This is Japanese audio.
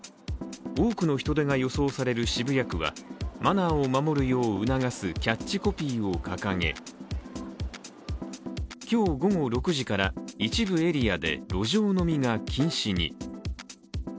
多くの人出が予想される渋谷区はマナーを守るよう促す、キャッチコピーを掲げ今日午後６時から一部エリアで路上飲みが禁止に。